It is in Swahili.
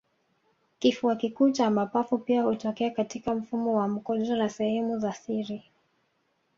kifua kikuu cha mapafu pia hutokea katika mfumo wa mkojo na sehemu za siri